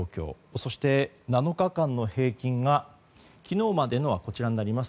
そして７日間の平均が昨日までのはこちらになります。